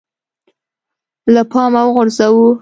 له پامه وغورځوو